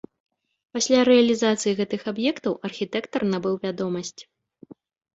Пасля рэалізацыі гэтых аб'ектаў архітэктар набыў вядомасць.